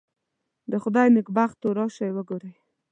د خدای نېکبختو راشئ وګورئ.